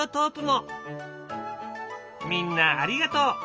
みんなありがとう！